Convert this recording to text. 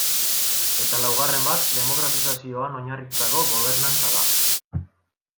Eta laugarren bat demokratizazioan oinarritutako gobernantza da.